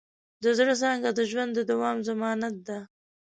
د زړۀ څانګه د ژوند د دوام ضمانت ده.